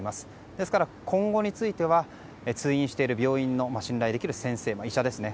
ですから、今後については通院している病院の信頼できる先生、医者ですね。